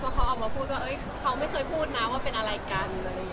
เขาออกมาพูดว่าเขาไม่เคยพูดนะว่าเป็นอะไรกัน